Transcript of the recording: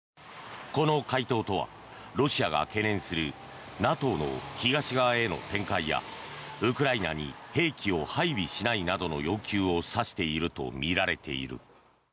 この回答とはロシアが懸念するＮＡＴＯの東側への展開やウクライナに兵器を配備しないなどの要求を指しているとみられている。